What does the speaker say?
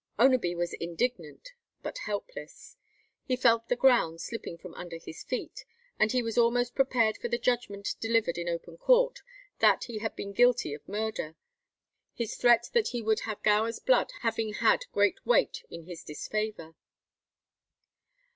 Oneby was indignant, but helpless. He felt the ground slipping from under his feet, and he was almost prepared for the judgment delivered in open court that he had been guilty of murder, his threat that he would have Gower's blood having had great weight in his disfavour.